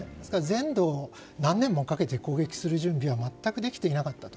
全土を何年もかけて攻撃する準備は全くできていなかったと。